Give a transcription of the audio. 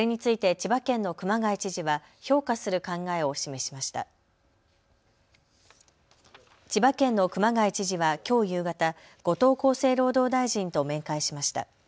千葉県の熊谷知事はきょう夕方、後藤厚生労働大臣と面会しました。